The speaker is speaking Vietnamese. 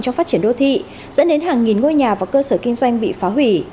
trong phát triển đô thị dẫn đến hàng nghìn ngôi nhà và cơ sở kinh doanh bị phá hủy